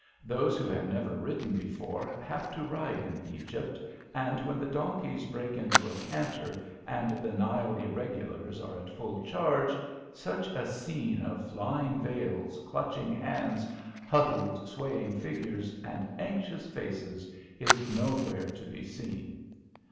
Those who have never ridden before have to ride in Egypt, and when the donkeys break into a canter, and the Nile Irregulars are at full charge, such a scene of flying veils, clutching hands, huddled swaying figures, and anxious faces is nowhere to be seen.